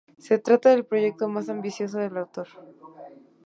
Se trata del proyecto más ambicioso del autor.